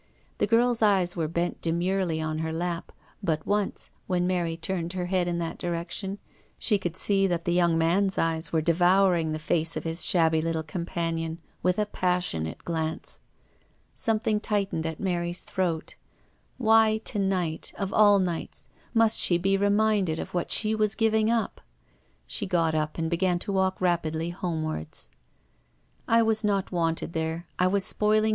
The girl's eyes were bent demurely on her lap, but once, when Mary turned her head in their direction, she could see that the young man's eyes were devouring the face of his shabby little companion with a passionate glance. Something tightened at Mary's throat. Why, to night of all nights, must she be reminded of what she was giving up ? She got up and began to walk rapidly homeward. " I was not wanted there ; I was spoiling THE WOMAN IN THE GLASS.